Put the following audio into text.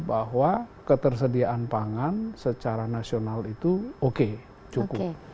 bahwa ketersediaan pangan secara nasional itu oke cukup